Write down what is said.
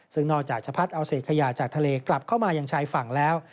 ซึ่งนอกจากจะพัดเอาเศษขยะจากทะเลกลับเข้ามาอย่างชายฝั่งแล้ว